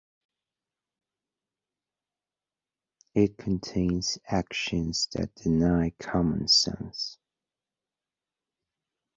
It contains actions that deny common sense.